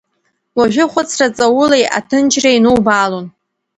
Уажәы ахәыцра ҵаулеи аҭынчреи инубаалон.